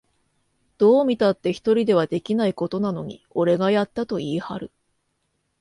どう見たって一人ではできないことなのに、俺がやったと言いはる